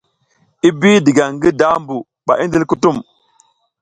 I bi diga ngi dambu ɓa i ndil kutum.